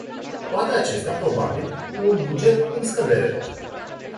Toate acestea, probabil, cu un buget în scădere.